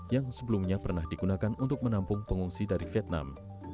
yang sebelumnya pernah digunakan untuk menampung pengungsi dari vietnam